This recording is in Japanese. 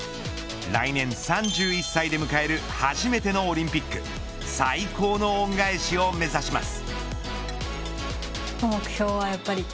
来年３１歳で迎える初めてのオリンピック最高の恩返しを目指します。